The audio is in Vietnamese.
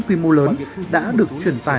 tuy mô lớn đã được truyền tài